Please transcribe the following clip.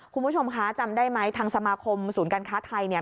คุณผู้ชมคะจำได้ไหมทางสมาคมศูนย์การค้าไทยเนี่ย